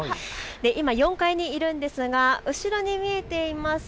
今、４階にいるんですが後ろに見えています